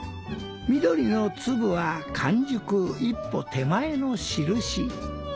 緑の粒は完熟一歩手前のしるし。